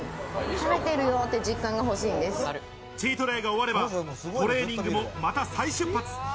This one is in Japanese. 食べてるよっていうチートデイが終わればトレーニングもまた再出発。